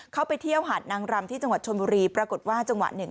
ไปเที่ยวหาดนางรำที่จังหวัดชนบุรีปรากฏว่าจังหวะหนึ่ง